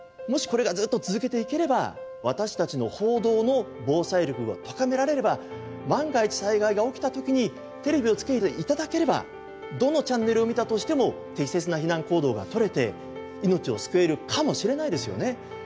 もしこれがずっと続けていければ私たちの報道の防災力が高められれば万が一災害が起きた時にテレビをつけて頂ければどのチャンネルを見たとしても適切な避難行動が取れて命を救えるかもしれないですよね。